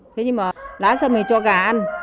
thế nhưng mà lá sâm thì cho gà ăn